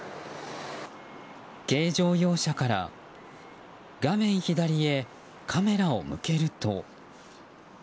軽乗用車から画面左へカメラを向けると。